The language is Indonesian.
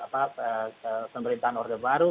pemerintahan orde baru